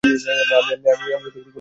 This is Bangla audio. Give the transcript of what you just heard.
আমি কোনও সুযোগ তৈরী করিনি!